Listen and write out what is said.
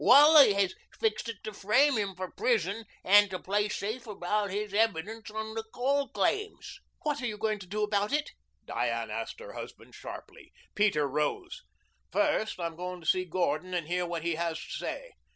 Wally has fixed it to frame him for prison and to play safe about his evidence on the coal claims." "What are you going to do about it?" Diane asked her husband sharply. Peter rose. "First I'm going to see Gordon and hear what he has to say.